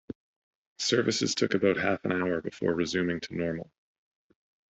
Services took about half an hour before resuming to normal.